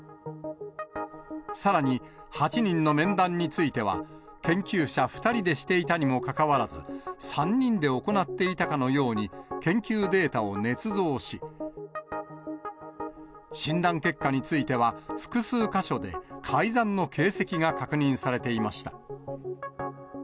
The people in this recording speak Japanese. さらに８人の面談については、研究者２人でしていたにもかかわらず、３人で行っていたかのように、研究データをねつ造し、診断結果については、複数箇所で、改ざんの形跡が確認されていました。